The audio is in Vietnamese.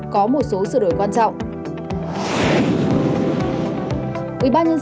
có một số sửa đổi quan trọng